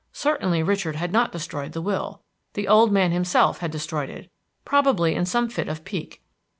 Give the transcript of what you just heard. Certainly Richard had not destroyed the will; the old man himself had destroyed it, probably in some fit of pique.